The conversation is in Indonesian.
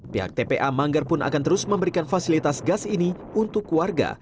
pihak tpa manggar pun akan terus memberikan fasilitas gas ini untuk warga